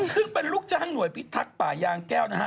ซึ่งเป็นลูกจ้างหน่วยพิทักษ์ป่ายางแก้วนะฮะ